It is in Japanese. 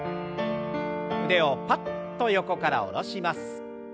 腕をパッと横から下ろします。